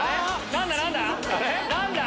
何だ何だ？